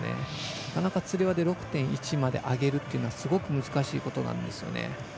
なかなか、つり輪で６．１まで上げるのはすごく難しいことなんですよね。